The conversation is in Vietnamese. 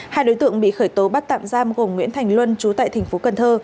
hai đối tượng bị khởi tố bắt tạm giam gồm nguyễn thành luân trú tại thành phố cần thơ